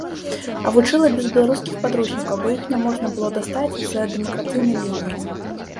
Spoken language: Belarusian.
А вучыла без беларускіх падручнікаў, бо іх няможна было дастаць з-за дэмаркацыйнай лініі.